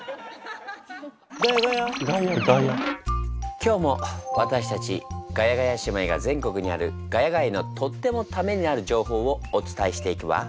今日も私たちガヤガヤ姉妹が全国にある「ヶ谷街」のとってもタメになる情報をお伝えしていくわ。